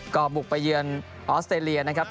ก็บุกไปเยือนออสเตรเลียนะครับ